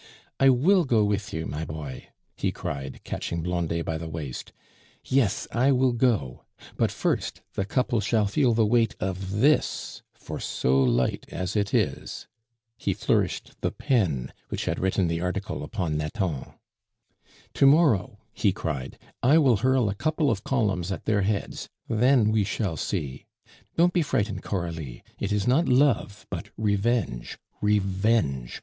I will go with you, my boy," he cried, catching Blondet by the waist; "yes, I will go; but first, the couple shall feel the weight of this, for so light as it is." He flourished the pen which had written the article upon Nathan. "To morrow," he cried, "I will hurl a couple of columns at their heads. Then, we shall see. Don't be frightened, Coralie, it is not love but revenge; revenge!